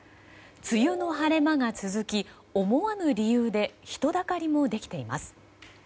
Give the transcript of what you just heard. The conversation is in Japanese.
梅雨の晴れ間が続き思わぬ理由で人だかりもできています。